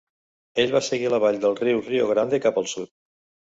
Ell va seguir la vall del riu Rio Grande cap al sud.